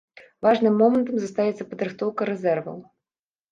Важным момантам застаецца падрыхтоўка рэзерваў.